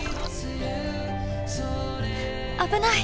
危ない！